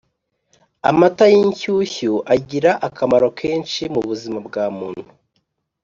Amata y’inshushyu agira akomaro kenshi mu buzima bwa muntu